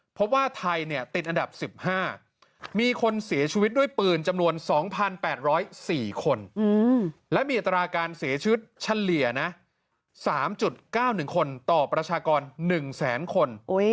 เพราะว่าไทยติดอันดับ๑๕มีคนเสียชีวิตด้วยปืนจำนวน๒๘๐๔คนและมีอัตราการเสียชีวิตเฉลี่ยนะ๓๙๑คนต่อประชากร๑แสนคน